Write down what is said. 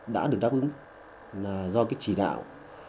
đã được đáp ứng do chỉ đạo